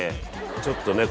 ちょっとね。